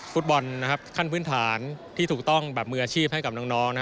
ฟุตบอลขั้นพื้นฐานที่ถูกต้องแบบมืออาชีพให้กับน้อง